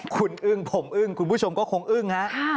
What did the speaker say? คุณอึ้งผมอึ้งคุณผู้ชมก็คงอึ้งฮะ